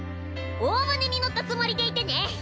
大船に乗ったつもりでいてね。